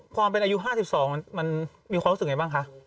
ความเป็นอายุ๕๒มันมีความรู้สึกไงบ้างคะ